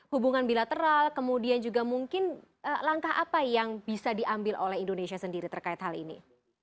hubungan bilateral kemudian juga mungkin langkah apa yang bisa diambil oleh indonesia sendiri terkait hal ini